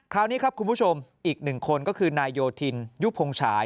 คราวนี้ครับคุณผู้ชมอีกหนึ่งคนก็คือนายโยธินยุพงฉาย